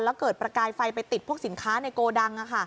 แล้วเกิดประกายไฟไปติดพวกสินค้าในโกดัง